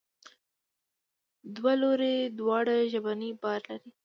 دوه لوري دواړه ژبنی بار لري.